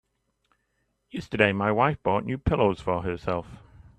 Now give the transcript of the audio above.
Yesterday my wife bought new pillows for herself.